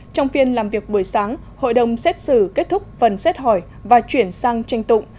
trong phiên làm việc buổi sáng hội đồng xét xử kết thúc phần xét hỏi và chuyển sang tranh tụng